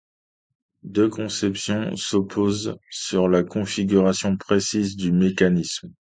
Deux conceptions s'opposaient sur la configuration précise du mécanisme.